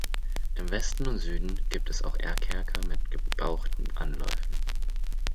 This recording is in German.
Im Westen und Süden gibt es auch Eckerker mit gebauchten Anläufen.